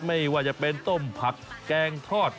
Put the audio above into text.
ไม่ว่าจะเป็นต้มผักแกงทอด